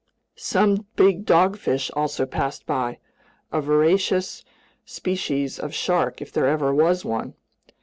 Some big dogfish also passed by, a voracious species of shark if there ever was one.